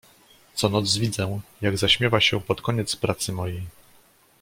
"Co noc widzę, jak zaśmiewa się pod koniec pracy mojej."